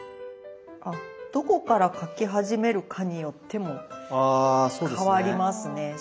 どこから描き始めるかによっても変わりますね。